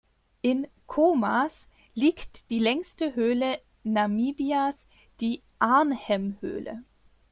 In Khomas liegt die längste Höhle Namibias, die Arnhem-Höhle.